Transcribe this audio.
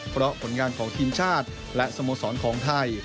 เพราะผลงานของทีมชาติและสโมสรของไทย